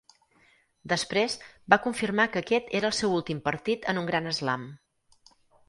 Després, va confirmar que aquest era el seu últim partit en un gran slam.